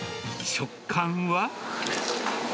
食感は？